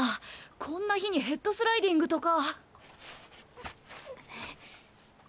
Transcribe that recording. こんな日にヘッドスライディングとか。